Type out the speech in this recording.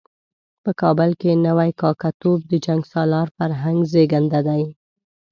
په کابل کې نوی کاکه توب د جنګ سالار فرهنګ زېږنده دی.